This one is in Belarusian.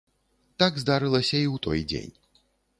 Так здарылася і ў той дзень.